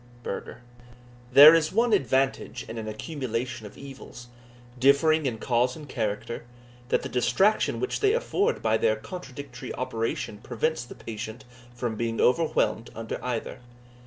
Burger. There is one advantage in an accumulation of evils, differing in cause and character, that the distraction which they afford by their contradictory operation prevents the patient from being overwhelmed under either.